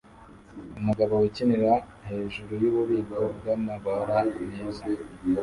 Umugabo wikinira hejuru yububiko bwamabara meza